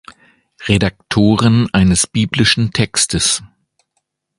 Redaktoren eines biblischen Textes.